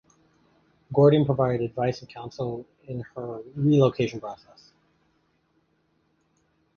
Gordon provided advice and counsel in her relocation process.